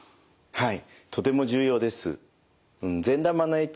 はい。